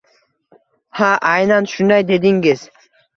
Ha, aynan shunday dedingiz